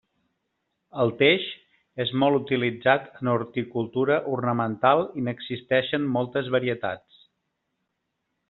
El teix és molt utilitzat en horticultura ornamental i n'existeixen moltes varietats.